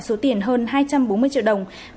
số tiền hơn hai trăm bốn mươi triệu đồng